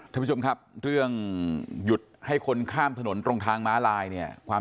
ท่านผู้ชมครับเรื่องหยุดให้คนข้ามถนนตรงทางม้าลายเนี่ยความ